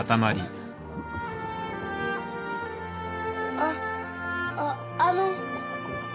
あああの。